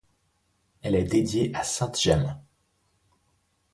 Elle est dédiée à sainte Gemmes.